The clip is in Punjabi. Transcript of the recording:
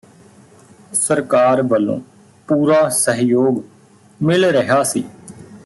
ਸਰਕਾਰ ਵੱਲੋਂ ਪੂਰਾ ਸਹਿਯੋਗ ਮਿਲ ਰਿਹਾ ਸੀ